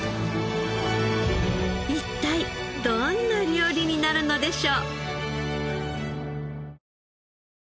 一体どんな料理になるのでしょう？